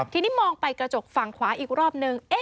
ทีนี้มองไปกระจกฝั่งขวาอีกรอบนึง